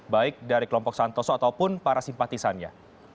baik dari kelompok santoso ataupun para simpatisannya